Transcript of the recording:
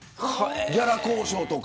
ギャラ交渉とか。